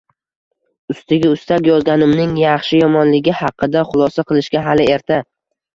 Ustiga ustak, yozganimning yaxshi-yomonligi haqida xulosa qilishga hali erta